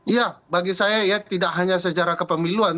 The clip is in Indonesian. iya bagi saya ya tidak hanya sejarah kepemiluan